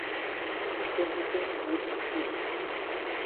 Zugeständnisse wurden erzielt.